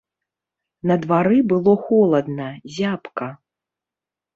На двары было холадна, зябка.